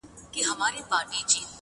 وخت که لېونی سو، توپانونو ته به څه وایو،